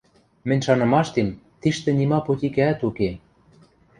Мӹнь шанымаштем, тиштӹ нима потикӓӓт уке...